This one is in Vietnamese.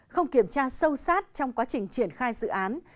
không kiểm tra sâu sát trong quá trình triển khai dự án